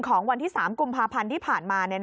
ของวันที่๓กุมภาพันธ์ที่ผ่านมา